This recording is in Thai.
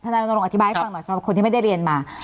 นายรณรงอธิบายให้ฟังหน่อยสำหรับคนที่ไม่ได้เรียนมา